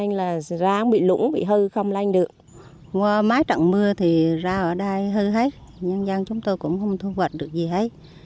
những vạt rau ở đây hư hết nhân dân chúng tôi cũng không thu hoạch được gì hết